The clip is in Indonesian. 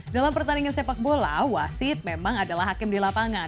dalam pertandingan sepak bola wasit memang adalah hakim di lapangan